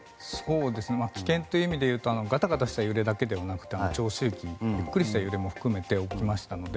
危険という意味で言うとガタガタした揺れだけじゃなくて長周期ゆっくりした揺れも含めて起きましたので